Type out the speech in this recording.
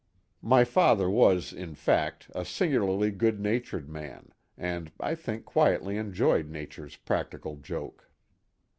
My father was, in fact, a singularly good natured man, and I think quietly enjoyed nature's practical joke.